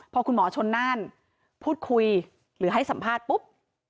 พอคุณหมอชนน่านพูดคุยหรือให้สัมภาษณ์ปุ๊บ